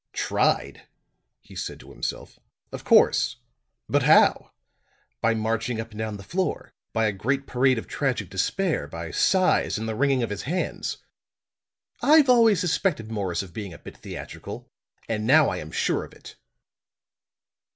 "Tried!" he said to himself. "Of course; but how? By marching up and down the floor. By a great parade of tragic despair; by sighs and the wringing of his hands. I've always suspected Morris of being a bit theatrical and now I am sure of it."